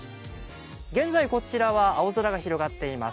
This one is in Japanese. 現在こちらは青空が広がっています。